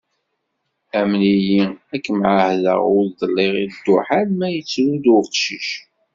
Amen-iyi, ad kem-ɛahdeɣ ur dliɣ i dduḥ alma, yettru-d uqcic.